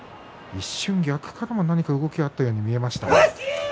一瞬横からも動きがあったように見えました。